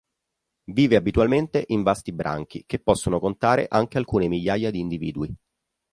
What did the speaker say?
Vive abitualmente in vasti branchi che possono contare anche alcune migliaia di individui.